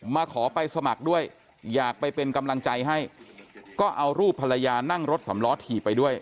มาขอไปสมัครด้วยอยากไปเป็นกำลังใจให้ก็เอารูปภรรยานั่งรถสำล้อถีบไปด้วย